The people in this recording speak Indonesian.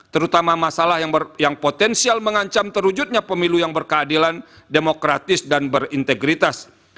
terutama masalah yang potensial mengancam terwujudnya pemilu yang berkeadilan demokratis dan berintegritas